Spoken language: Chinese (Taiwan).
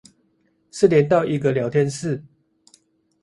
是連到一個聊天室